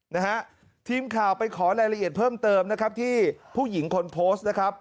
นะฮะทีมข่าวไปขอรายละเอียดเพิ่มเติมนะครับที่ผู้หญิงคนโพสต์นะครับ